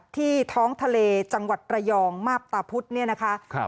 ที่ท้องทะเลจังหวัดระยองมาบตาพุธเนี่ยนะคะ